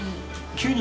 急に？